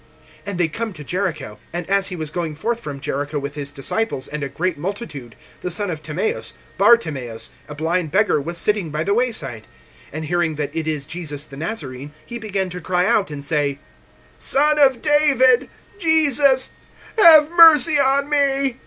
(46)And they come to Jericho. And as he was going forth from Jericho with his disciples and a great multitude, the son of Timaeus, Bartimaeus, a blind beggar, was sitting by the way side. (47)And hearing that it is Jesus the Nazarene, he began to cry out, and say: Son of David, Jesus, have mercy on me.